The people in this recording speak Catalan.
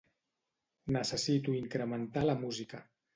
Necessito incrementar la música.